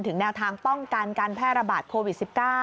แนวทางป้องกันการแพร่ระบาดโควิด๑๙